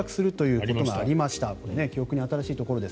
ここも記憶に新しいところです。